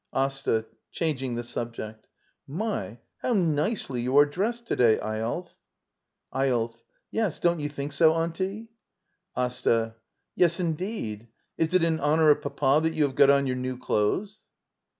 AsTA. [Changing the subject.] My, how nicely you are dressed to day, Eyolf! Eyolf. Yes, don't you think so, auntie? AsTA. Yes, indeed. Is it in honor of Papa that you have got on your new clothes?